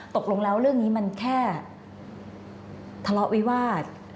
ตกลงแล้วเรื่องนี้มันแค่ทะเลาะวิวาส